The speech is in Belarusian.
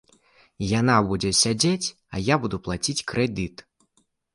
Яна будзе сядзець, а я буду плаціць крэдыт.